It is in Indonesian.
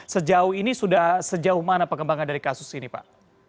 sejauh ini sudah sejauh mana pengembangan dari kasus ini pak